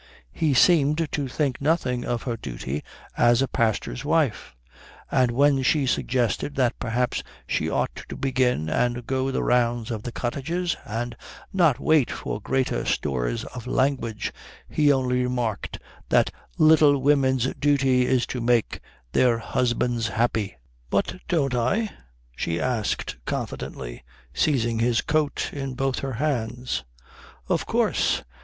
He seemed to think nothing of her duty as a pastor's wife; and when she suggested that perhaps she ought to begin and go the rounds of the cottages and not wait for greater stores of language, he only remarked that little women's duty is to make their husbands happy. "But don't I?" she asked confidently, seizing his coat in both her hands. "Of course.